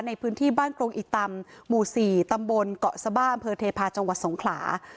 ในพื้นที่บ้านกรงอิตรรมมูศรีตำบลเกาะสบามเผอร์เทพาะจังหวัดสงครา